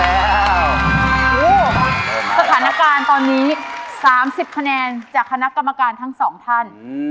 แล้วแล้วสถานการณ์ตอนนี้สามสิบคะแนนจากคณะกรรมการทั้งสองท่าน